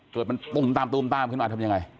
เกิดมันตุ้มตามตุ้มตามขึ้นมาทำยังไง